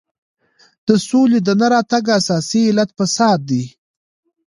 د سولې د نه راتګ اساسي علت فساد دی.